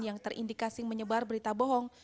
yang terindikasi menyebar berita bohong